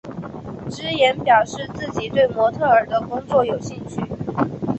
芝妍表示自己对模特儿工作有兴趣。